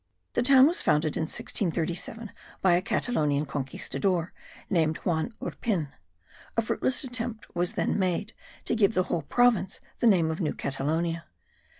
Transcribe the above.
The town was founded in 1637 by a Catalonian conquistador, named Juan Urpin. A fruitless attempt was then made, to give the whole province the name of New Catalonia.